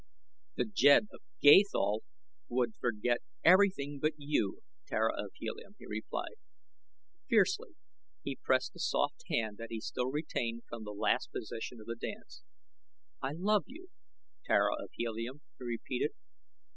"The Jed of Gathol would forget everything but you, Tara of Helium," he replied. Fiercely he pressed the soft hand that he still retained from the last position of the dance. "I love you, Tara of Helium," he repeated.